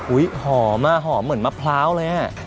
หอมอ่ะหอมเหมือนมะพร้าวเลยอ่ะ